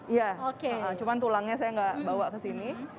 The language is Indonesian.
iya cuman tulangnya saya tidak bawa ke sini